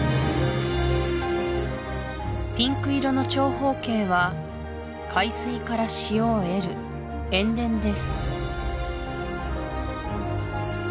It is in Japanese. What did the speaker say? ピンク色の長方形は海水から塩を得る塩田です